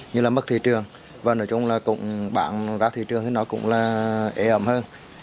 bán ra thị trường và nói chung là cũng bán ra thị trường thì nó cũng là ế ẩm hơn